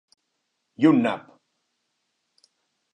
I un nap!